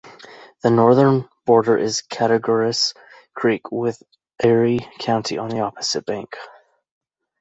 The northern border is Cattaraugus Creek with Erie County on the opposite bank.